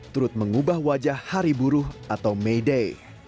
turut mengubah wajah hari buruh atau may day